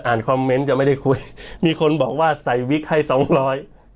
คอมเมนต์จะไม่ได้คุยมีคนบอกว่าใส่วิกให้สองร้อย